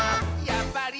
やっぱり！」